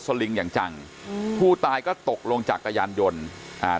ลิงอย่างจังอืมผู้ตายก็ตกลงจากกระยานยนต์อ่า